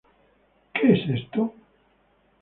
Que es esto?